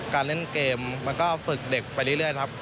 การเล่นเกมมันก็ฝึกเด็กไปเรื่อยครับ